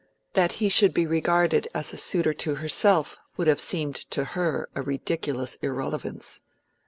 That he should be regarded as a suitor to herself would have seemed to her a ridiculous irrelevance.